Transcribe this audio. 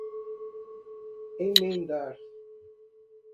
emendar